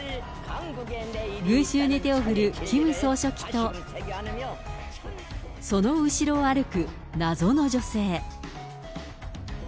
群衆に手を振るキム総書記とその後ろを歩く謎の女性。